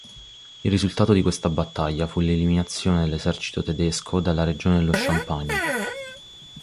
Il risultato di questa battaglia fu l'eliminazione dell'esercito tedesco dalla regione dello Champagne.